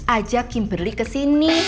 ajak kimberly kesini